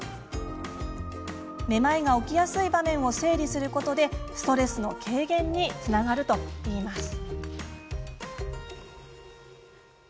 めまいが起きやすい場面を整理することでストレスの軽減につながるといいます。